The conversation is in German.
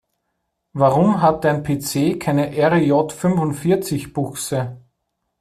Warum hat dein PC keine RJ-fünfundvierzig-Buchse?